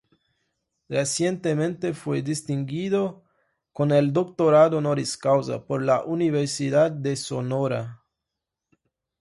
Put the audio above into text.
Recientemente fue distinguido con el Doctorado Honoris Causa, por la Universidad de Sonora.